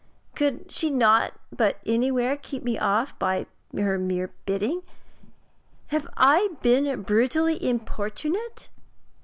Could she not anywhere keep me off by her mere bidding? Have I been brutally importunate?